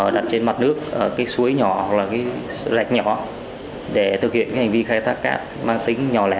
đặt trên mặt nước cái sối nhỏ hoặc là cái lạch nhỏ để thực hiện hành vi khai thác cát mang tính nhỏ lẻ